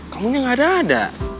kamunya gak ada ada